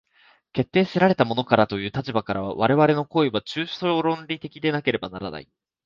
決定せられたものからという立場からは、我々の行為は抽象論理的でなければならない。